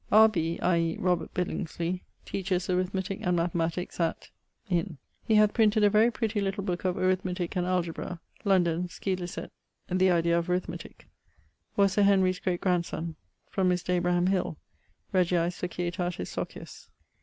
R. B., i.e. Robert Billingsley, teaches Arithmetique and Mathematiques at ... in.... He hath printed a very pretty little booke of arithmetique and algebra, London (scilicet, _ Idea of Arithmetic_): was Sir Henry's great grandson from Mr. Abraham Hill, Regiae Societatis Socius.